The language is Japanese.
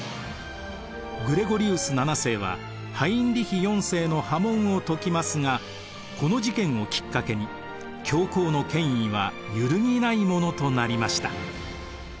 グレゴリウス７世はハインリヒ４世の破門を解きますがこの事件をきっかけに教皇の権威は揺るぎないものとなりました。